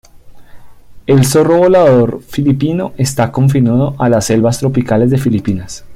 El zorro volador filipino está confinado a las selvas tropicales de Filipinas.